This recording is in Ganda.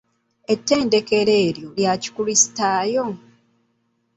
Ettendekero eryo lya kikulisitaayo?